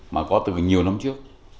mà có từ nhiều năm trước